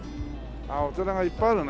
お寺がいっぱいあるね。